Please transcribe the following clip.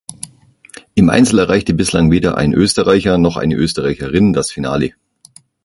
Im Einzel erreichte bislang weder ein Österreicher noch eine Österreicherin das Finale.